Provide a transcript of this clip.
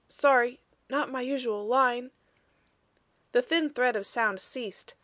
Sorry not my usual line " The thin thread of sound ceased.